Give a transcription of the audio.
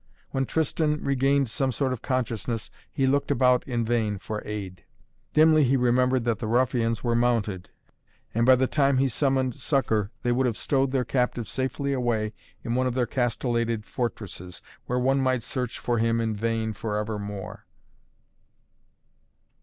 When Tristan regained some sort of consciousness he looked about in vain for aid. Dimly he remembered that the ruffians were mounted, and by the time he summoned succor they would have stowed their captive safely away in one of their castellated fortresses, where one might search for him in vain forever more.